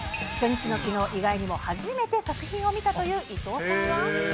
初日のきのう、意外にも初めて作品を見たという伊藤さんは。